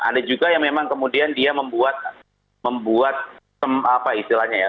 ada juga yang memang kemudian dia membuat apa istilahnya ya